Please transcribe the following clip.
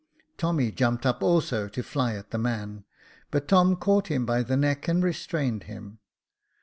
Tommy jumped up also to fly at the man, but Tom caught him by the neck and restrained him.